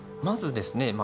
まずですね